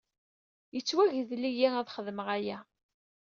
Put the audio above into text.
Yettwagdel-iyi ad xedmeɣ aya.